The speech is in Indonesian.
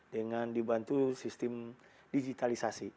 dengan dibantu sistem digitalisasi